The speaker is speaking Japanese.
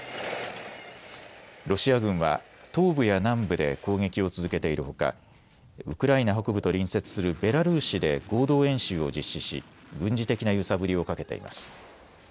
ロシア軍は東部や南部で攻撃を続けているほかウクライナ北部と隣接するベラルーシで合同演習を実施し軍事的な揺さぶりをかけています。